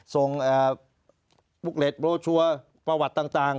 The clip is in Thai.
พวกเล็ตโรชัวร์ประวัติต่าง